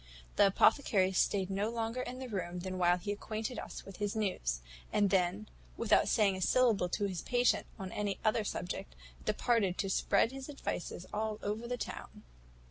"The apothecary staid no longer in the room than while he acquainted us with his news; and then, without saying a syllable to his patient on any other subject, departed to spread his advices all over the town.